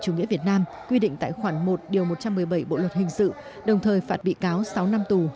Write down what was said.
chủ nghĩa việt nam quy định tại khoản một một trăm một mươi bảy bộ luật hình sự đồng thời phạt bị cáo sáu năm tù